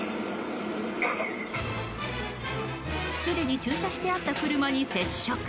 すでに駐車してあった車に接触。